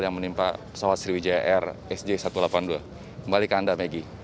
yang menimpa pesawat sriwijaya rsj satu ratus delapan puluh dua kembali ke anda meggy